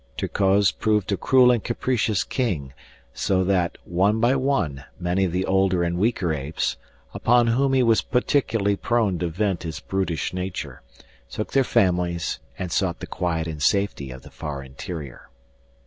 Terkoz proved a cruel and capricious king, so that, one by one, many of the older and weaker apes, upon whom he was particularly prone to vent his brutish nature, took their families and sought the quiet and safety of the far interior.